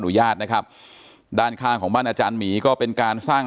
ญาตนะครับด้านข้างของบ้านอาจารย์หมีก็เป็นการสร้าง